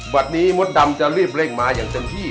นี้มดดำจะรีบเร่งมาอย่างเต็มที่